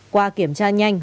qua kiểm tra nhanh